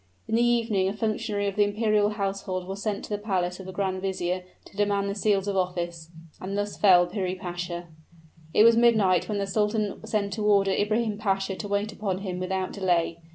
In the evening a functionary of the imperial household was sent to the palace of the grand vizier to demand the seals of office; and thus fell Piri Pasha. It was midnight when the sultan sent to order Ibrahim Pasha to wait upon him without delay.